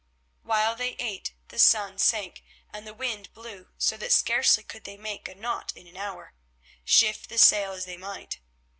While they ate the sun sank, and the wind blew so that scarcely could they make a knot an hour, shift the sail as they might.